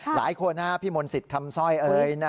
หลายคนครับพี่มนตร์สิตคำซ้อยเอ๋ย